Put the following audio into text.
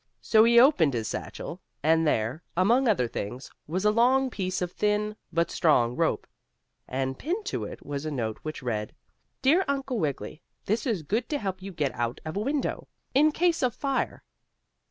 So he opened his satchel, and there, among other things, was a long piece of thin, but strong rope. And pinned to it was a note which read: "Dear Uncle Wiggily. This is good to help you get out of a window, in case of fire."